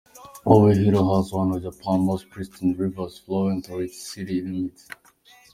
Obihiro has one of Japan's most pristine rivers flowing through its city limits.